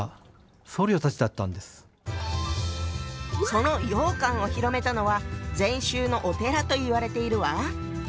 その羊羹を広めたのは禅宗のお寺といわれているわ。